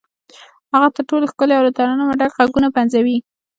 هغه تر ټولو ښکلي او له ترنمه ډک غږونه پنځوي.